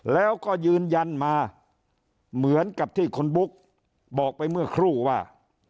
แล้วก็ยืนยันมาเหมือนกับที่คุณบุ๊กบอกไปเมื่อครู่ว่า